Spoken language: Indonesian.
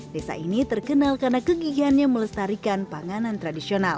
desa ini terkenal karena kegigihannya melestarikan panganan tradisional